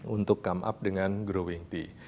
untuk come up dengan growing tea